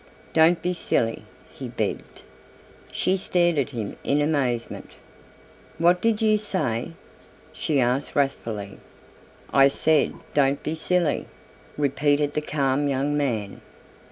"Don't be silly," he begged. She stared at him in amazement. "What did you say?" she asked wrathfully. "I said 'don't be silly,'" repeated the calm young man.